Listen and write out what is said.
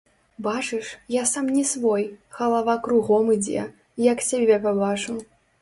Бачыш, я сам не свой, галава кругом ідзе, як цябе пабачу.